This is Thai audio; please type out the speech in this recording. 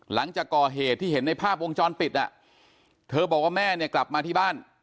หลังจากก่อเหตุที่เห็นในภาพวงจรปิดอ่ะเธอบอกว่าแม่เนี่ยกลับมาที่บ้าน